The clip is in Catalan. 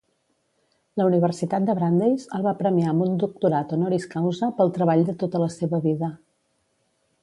La Universitat de Brandeis, el va premiar amb un Doctorat Honoris causa pel treball de tota la seva vida.